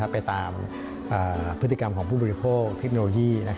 ไปตามพฤติกรรมของผู้บริโภคเทคโนโลยี